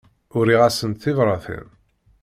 Uriɣ-asent tibratin.